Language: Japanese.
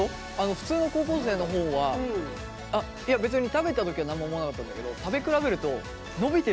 普通の高校生の方はあっいや別に食べた時は何も思わなかったんだけど食べ比べるとのびてる感じする。